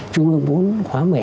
trung ương bốn khóa một mươi hai